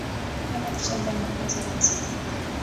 apana kucheza na kazi ya mwenzako